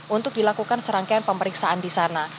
untuk dilakukan serangkaian pemeriksaan di sana